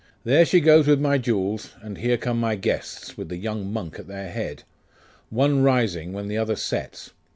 'There she goes with my jewels. And here come my guests, with the young monk at their head. One rising when the other sets.